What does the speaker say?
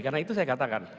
karena itu saya katakan